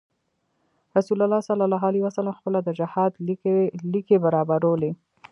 رسول الله صلی علیه وسلم خپله د جهاد ليکې برابرولې.